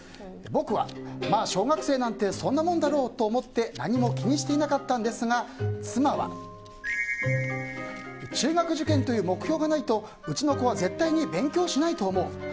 僕は、まあ小学生なんてそんなもんだろうと思って何も気にしていなかったんですが妻は中学受験という目標がないとうちの子は絶対に勉強しないと思う。